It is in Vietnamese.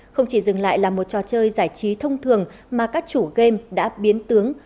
không chỉ dừng lại là một trò chơi giải trí thông thường mà các chủ game đã biến tướng